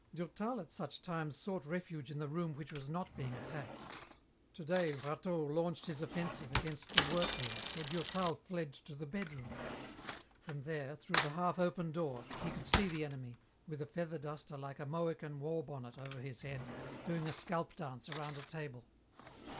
Durtal at such times sought refuge in the room which was not being attacked. Today Rateau launched his offensive against the workroom, so Durtal fled to the bedroom. From there, through the half open door, he could see the enemy, with a feather duster like a Mohican war bonnet over his head, doing a scalp dance around a table.